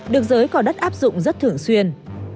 được giới có đất áp dụng rất thường xuyên